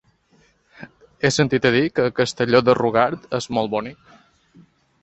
He sentit a dir que Castelló de Rugat és molt bonic.